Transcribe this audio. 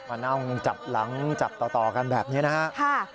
มานั่งจับหลังจับต่อกันแบบนี้นะครับ